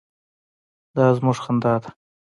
_دا زموږ خندا ده.